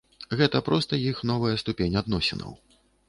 Гэта проста іх новая ступень адносінаў.